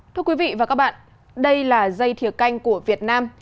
thưa quý vị và các bạn đây là dây thiều canh của việt nam